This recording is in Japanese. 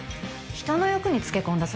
人の欲につけ込んだ